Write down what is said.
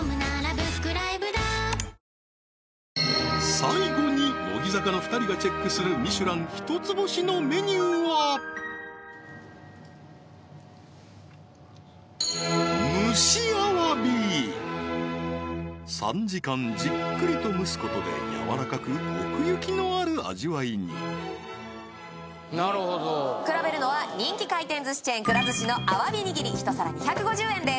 最後に乃木坂の２人がチェックするミシュラン一つ星のメニューは３時間じっくりと蒸すことで軟らかく奥行きのある味わいになるほど比べるのは人気回転寿司チェーンくら寿司のあわびにぎり１皿２５０円です